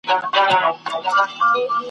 چي غوايي غوښو ته وکتل حیران سو !.